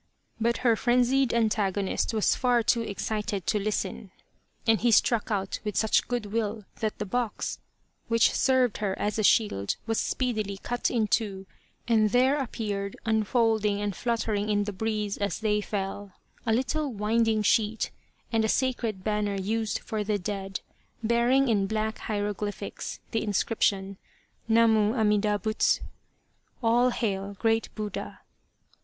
But her frenzied antagonist was far too excited to listen, and he struck out with such good will that the box, which served her as a shield, was speedily cut in two, and there appeared, unfolding and flutter ing in the breeze as they fell, a little winding sheet, and a sacred banner used for the dead, bearing in black hieroglyphics, the inscription, " Namu Amida Butsu !" (All hail, Great Buddha